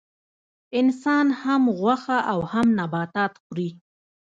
انسان هم غوښه او هم نباتات خوري